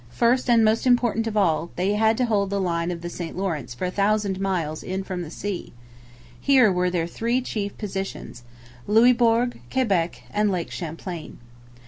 First, and most important of all, they had to hold the line of the St Lawrence for a thousand miles in from the sea. Here were their three chief positions: Louisbourg, Quebec, and Lake Champlain.